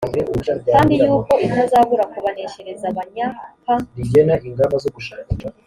kandi yuko itazabura kubaneshereza abanyakan